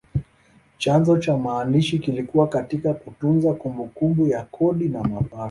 Chanzo cha maandishi kilikuwa katika kutunza kumbukumbu ya kodi na mapato.